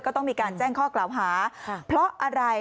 ก็ต้องมีการแจ้งข้อกล่าวหาเพราะอะไร